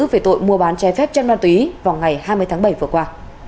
về tội mua bán che phép chăn đoan túy vào ngày hai mươi tháng bảy vừa qua